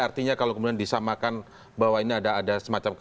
artinya kalau kemudian disamakan bahwa ini ada semacam